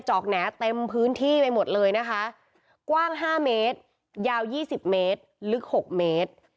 อกแหน่เต็มพื้นที่ไปหมดเลยนะคะกว้าง๕เมตรยาว๒๐เมตรลึก๖เมตร